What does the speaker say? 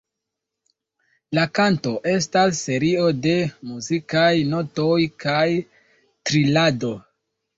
La kanto estas serio de muzikaj notoj kaj trilado.